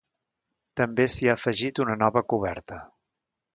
També s'hi ha afegit una nova coberta.